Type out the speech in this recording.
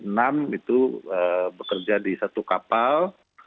enam itu bekerja di satu kapal